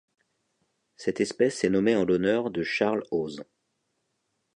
Cette espèce est nommée en l'honneur de Charles Hose.